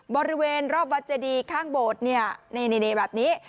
บริเวณรอบวัดเจดีข้างโบสถ์เนี่ยนี่แบบนี้